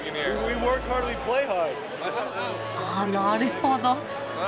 あっなるほど。